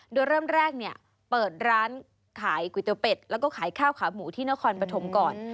โดยเริ่มแรกเนี่ยเปิดร้านขายก๋วยเตี๋ยวเป็ดแล้วก็ขายข้าวขาหมูที่นครปฐมก่อน